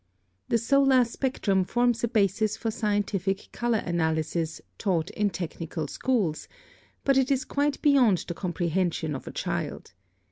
(27) The solar spectrum forms a basis for scientific color analysis, taught in technical schools; but it is quite beyond the comprehension of a child.